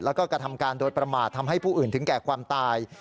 แล้วก็กระทำการโดยประมาททำให้ผู้อื่นถึงแก่ความตาย